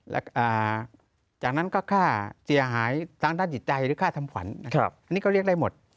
แล้วจากนั้นก็ค่าเสียหายทางด้านจิตใจหรือค่าทำขวัญอันนี้ก็เรียกได้หมด